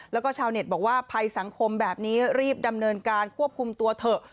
แล้วก็ชาวเน็ตบอกว่าภัยสังคมแบบนี้รีบดำเนินการควบคุมตัวเถอะ